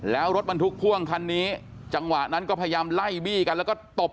แล้วรถบรรทุกพ่วงคันนี้จังหวะนั้นก็พยายามไล่บี้กันแล้วก็ตบ